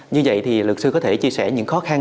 như vậy thì luật sư có thể chia sẻ những khó khăn